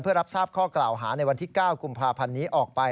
เพื่อรับทราบข้อกล่าวหาในวันที่๙กุมภาพันธ์นี้ออกไป